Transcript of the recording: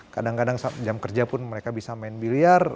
kadang kadang jam kerja pun mereka bisa main biliar